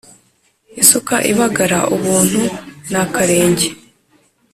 Isuka ibagara ubuntu ni akarenge.